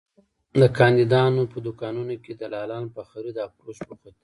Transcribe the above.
د کاندیدانو په دوکانونو کې دلالان په خرید او فروش بوخت دي.